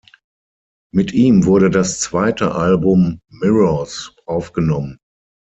Mit ihm wurde das zweite Album, "Mirrors", aufgenommen.